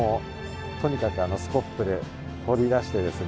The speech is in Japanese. とにかくスコップで彫り出してですね。